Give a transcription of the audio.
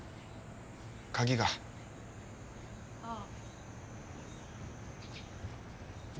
鍵がああ